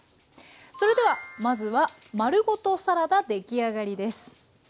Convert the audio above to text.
それではまずは丸ごとサラダ出来上がりです。